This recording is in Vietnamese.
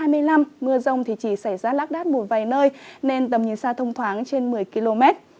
mưa rông thì chỉ xảy ra lác đát một vài nơi nên tầm nhìn xa thông thoáng trên một mươi km